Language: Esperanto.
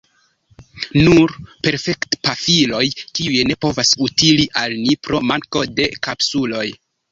Nur perkutpafiloj, kiuj ne povas utili al ni, pro manko de kapsuloj.